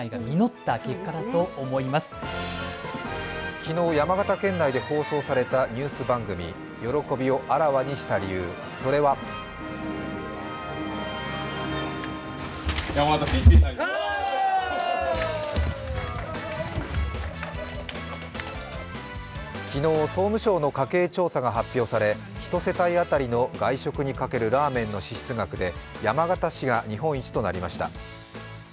昨日、山形県内で放送されたニュース番組、喜びをあらわにした理由、それは昨日総務省の家計調査が発表され１世帯当たりの外食にかけるラーメンの支出額で山形市が日本一となりました。